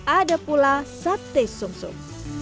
ada pula sate sum sum